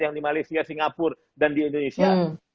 yang di malaysia singapura dan di indonesia